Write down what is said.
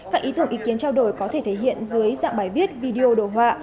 các ý tưởng ý kiến trao đổi có thể thể hiện dưới dạng bài viết video đồ họa